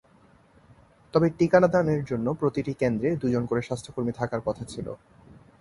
তবে টিকাদানের জন্য প্রতিটি কেন্দ্রে দুজন করে স্বাস্থ্যকর্মী থাকার কথা ছিল।